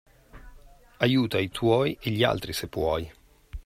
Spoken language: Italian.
Aiuta i tuoi e gli altri se puoi.